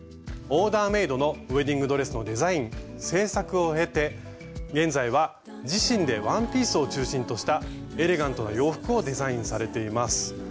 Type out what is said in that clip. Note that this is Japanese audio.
オーダーメイドのウエディングドレスのデザイン製作を経て現在は自身でワンピースを中心としたエレガントな洋服をデザインされています。